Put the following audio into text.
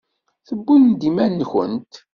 Tewwimt-d iman-nkent.